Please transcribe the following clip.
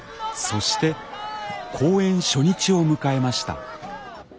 そして公演初日を迎えました。